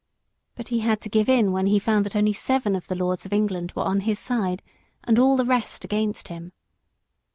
But he had to give in when he found that only seven of the lords of England were on his side and all the rest against him.